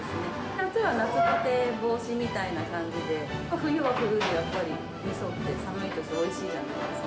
夏は夏バテ防止みたいな感じで、冬は冬でやっぱり、寒いとき、おいしいじゃないですか。